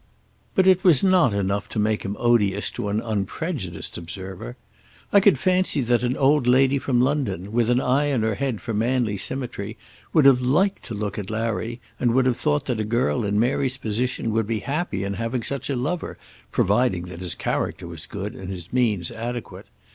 But it was not enough to make him odious to an unprejudiced observer. I could fancy that an old lady from London, with an eye in her head for manly symmetry, would have liked to look at Larry, and would have thought that a girl in Mary's position would be happy in having such a lover, providing that his character was good and his means adequate.